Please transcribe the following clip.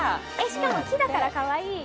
しかも木だからかわいい。